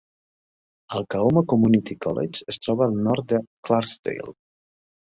El Coahoma Community College es troba al nord de Clarksdale.